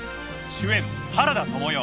主演原田知世。